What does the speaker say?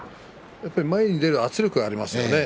前に出る圧力がありますね。